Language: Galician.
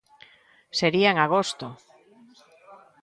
Sería en agosto.